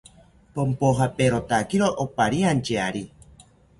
Ponpojaperotakiro opariantyari